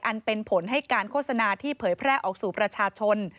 อันเป็นผลให้การโฆษณาที่เผยแพร่ออกสู่ประชาชน